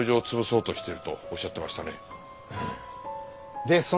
うん。